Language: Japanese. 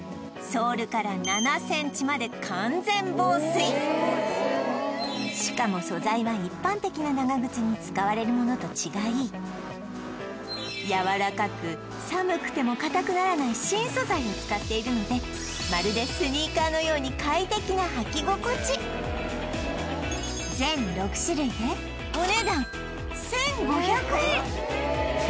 ソールから７ｃｍまで完全防水しかも素材は一般的な長靴に使われるものと違いやわらかく寒くてもかたくならない新素材を使っているのでまるでスニーカーのように快適な履き心地全６種類でお値段１５００円